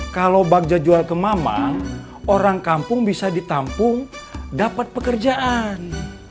kalau bagja jual ke mamang orang kampung bisa ditampung dapat pekerjaan